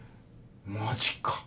マジか。